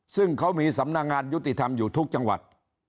ซึ่งเขามีสำนักงานยุติธรรมอยู่ทุกจังหวัด